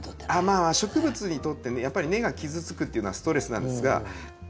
まあ植物にとってやっぱり根が傷つくっていうのはストレスなんですが。